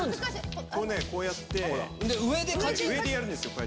こうやって上でやるんですよ。